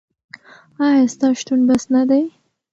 ایا ستا شتون بس نه دی؟